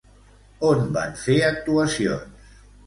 On van fer actuacions?